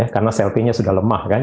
karena sel t nya sudah lemah kan